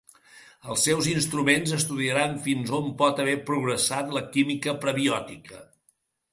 Els seus instruments estudiaran fins on pot haver progressat la química prebiòtica.